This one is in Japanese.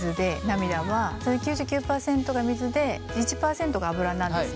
その９９％が水で１％がアブラなんですね。